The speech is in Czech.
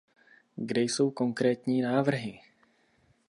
Kde jsou konkrétní návrhy?